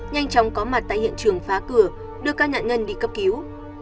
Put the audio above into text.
nhanh chóng có mặt tại hiện trường phá cửa đưa các nhận ngân đi cấp cứu